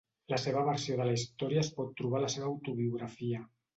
La seva versió de la història es pot trobar a la seva autobiografia.